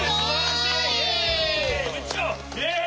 イエイ！